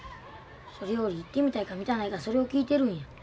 それより行ってみたいかみたないかそれを聞いてるんや。